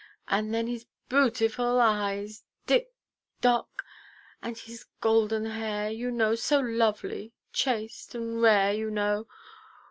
Oh, then his bootiful eyes, dick, dock! And then his golden hair, you know, so lovely, chaste, and rare, you know!